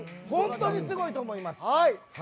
本当にすごいと思います。